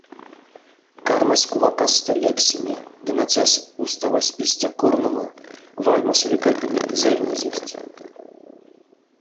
Кармась кувакасто лексеме ды нацяс уставась истя корномо, вальма суликатне мик зэрнезевсть.